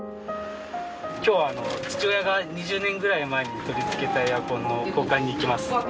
今日は父親が２０年ぐらい前に取り付けたエアコンの交換に行きます